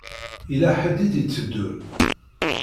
Yella ḥedd i d-iteddun.